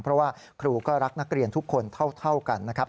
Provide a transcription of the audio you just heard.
เพราะว่าครูก็รักนักเรียนทุกคนเท่ากันนะครับ